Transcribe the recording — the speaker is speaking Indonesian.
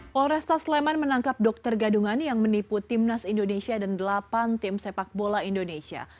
polresta sleman menangkap dokter gadungan yang menipu timnas indonesia dan delapan tim sepak bola indonesia